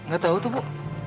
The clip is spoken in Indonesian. gak tau tuh bu